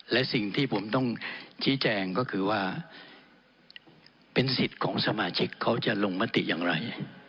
และสิ่งที่ผมต้องชี้แจงก็คือว่าเป็นสิทธิ์ของสมาชิกเขาจะลงมติอย่างไร